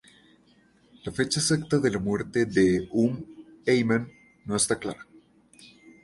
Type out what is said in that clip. La fecha exacta de la muerte de Umm Ayman no está clara.